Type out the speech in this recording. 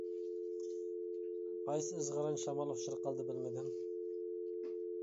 قايسى ئىزغىرىن شامال ئۇچۇر قىلدى، بىلمىدىم.